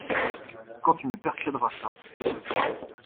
Quand tu me persuaderas ça…